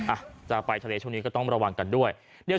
อ่ะจะไปทะเลช่วงนี้ก็ต้องระวังกันด้วย